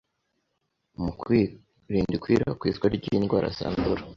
mu kwirinda ikwirakwira ry'indwara zandura.